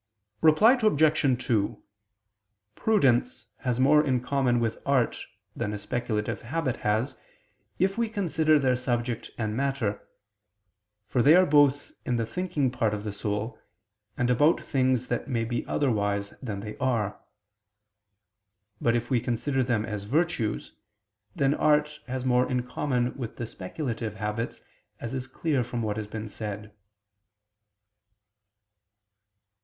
Reply Obj. 2: Prudence has more in common with art than a speculative habit has, if we consider their subject and matter: for they are both in the thinking part of the soul, and about things that may be otherwise than they are. But if we consider them as virtues, then art has more in common with the speculative habits, as is clear from what has been said.